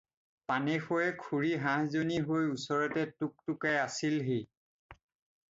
পানেশৈয়ে খুৰী হাঁহজনী হৈ ওচৰতে টোক্টোকাই আছিলহি।